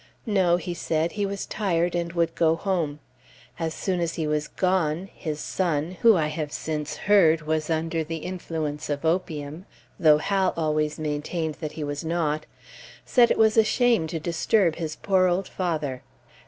No, he said he was tired and would go home. As soon as he was gone, his son, who I have since heard was under the influence of opium, though Hal always maintained that he was not, said it was a shame to disturb his poor old father.